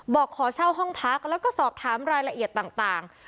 บอกขอเช่าห้องพักแล้วก็สอบถามรายละเอียดต่าง